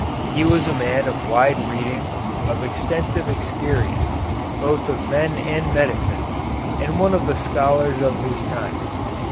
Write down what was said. He was a man of wide reading, of extensive experience, both of men and medicine, and one of the scholars of his time.